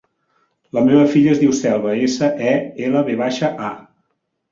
La meva filla es diu Selva: essa, e, ela, ve baixa, a.